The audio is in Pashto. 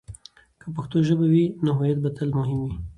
که پښتو ژبه وي، نو هویت به تل مهم وي.